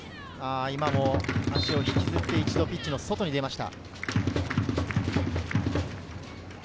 今も足をひきずって、一度ピッチの外に出ました。